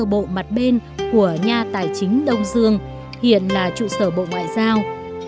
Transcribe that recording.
biên bản phiên đấu thầu công trình xây dựng của nhà tài chính đông dương hiện là trụ sở bộ ngoại giao